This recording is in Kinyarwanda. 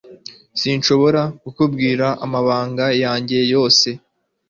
Sinshobora kukubwira amabanga yanjye yose